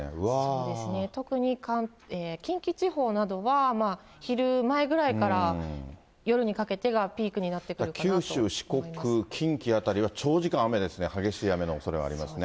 そうですね、特に近畿地方などは昼前ぐらいから夜にかけてがピークになってく九州、四国、近畿辺りは長時間雨ですね、激しい雨のおそれがありますね。